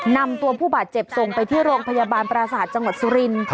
นำตัวผู้บาดเจ็บส่งไปที่โรงพยาบาลปราศาสตร์จังหวัดสุรินทร์